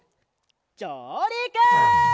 じょうりく！